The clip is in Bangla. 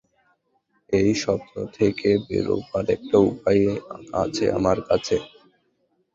এই স্বপ্ন থেকে বেরোবার একটা উপায় আছে আমার কাছে।